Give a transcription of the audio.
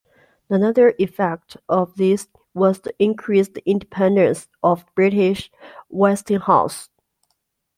Another effect of this was the increased independence of British Westinghouse.